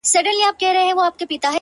دا سړی گوره چي بيا څرنگه سرگم ساز کړي’